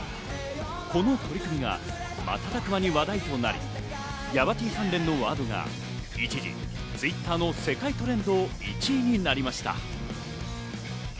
この取り組みが瞬く間に話題となり、ヤバＴ関連のワードが一時Ｔｗｉｔｔｅｒの世界トレンドの１位になりました。